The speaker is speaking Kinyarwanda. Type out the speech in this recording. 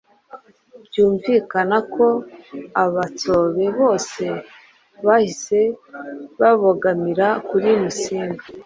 byumvikana ko abatsobe bose bahise babogamira kuri Musinga.